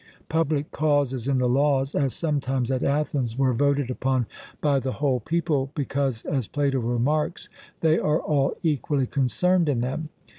Public causes in the Laws, as sometimes at Athens, were voted upon by the whole people: because, as Plato remarks, they are all equally concerned in them.